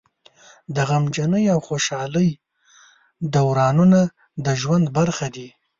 د غمجنۍ او خوشحالۍ دورانونه د ژوند برخه دي.